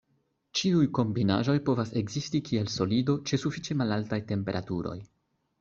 Ĉiuj kombinaĵoj povas ekzisti kiel solido, ĉe sufiĉe malaltaj temperaturoj.